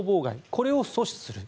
これを阻止すると。